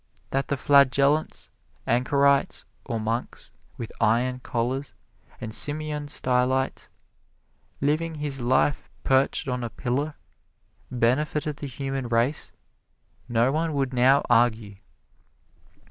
That the flagellants, anchorites, or monks with iron collars, and Simeon Stylites living his life perched on a pillar, benefited the human race no one would now argue.